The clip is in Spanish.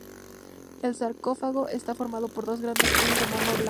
El sarcófago está formado por dos grandes trozos de mármol blanco.